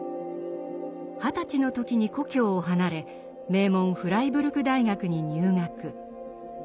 二十歳の時に故郷を離れ名門フライブルク大学に入学。